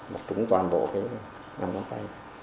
một trúng toàn bộ cái nằm trong tay